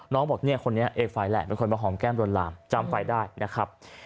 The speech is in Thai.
น้องบอกคนนี้เอกไฟล์แหละเป็นคนมะหอมแก้มรนรามจำไฟได้นะครับ